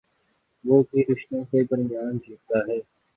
وہ بھی رشتوں کے درمیان جیتا ہے۔